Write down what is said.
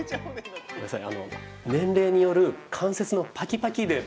ごめんなさい。